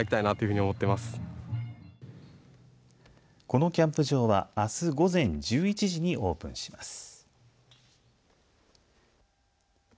このキャンプ場はあす午前１１時にオープンします。